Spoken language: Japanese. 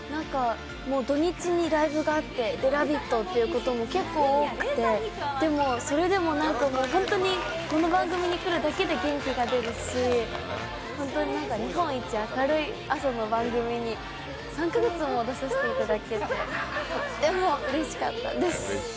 土日にライブがあって、「ラヴィット！」ということも結構多くて、でもそれでも本当にこの番組に来るだけで元気が出るし、本当に日本一明るい朝の番組に３カ月も出させていただけて、とってもうれしかったです。